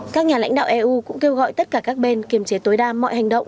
các nhà lãnh đạo eu cũng kêu gọi tất cả các bên kiềm chế tối đa mọi hành động